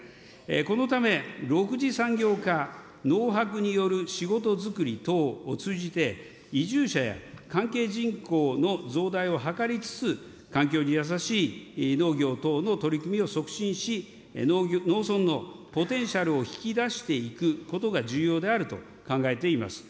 このため、６次産業化、のうはくによる仕事づくり等を通じて、移住者や関係人口の増大を図りつつ、環境に優しい農業等の取り組みを促進し、農村のポテンシャルを引き出していくことが重要であると考えています。